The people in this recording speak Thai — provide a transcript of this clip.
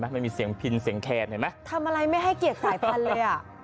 มันมีเสียงพลินเสียงแค่นทำอะไรไม่ให้เกียรติภัณฑ์เลย